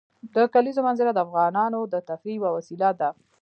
د کلیزو منظره د افغانانو د تفریح یوه وسیله ده.